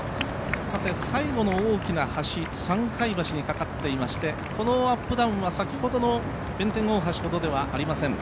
最後の大きな橋、三海橋にかかっていましてこのアップダウンは先ほどの弁天大橋ほどではありません。